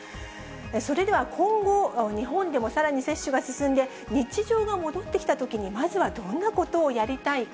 それでは、今後、日本でもさらに接種が進んで、日常が戻ってきたときに、まずはどんなことをやりたいか。